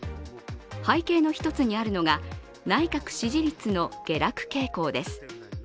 背景の一つにあるのが内閣支持率の下落傾向です。